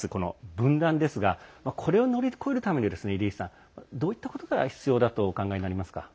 分断ですがこれを乗り越えるためにはどういったことが必要だとお考えになりますか？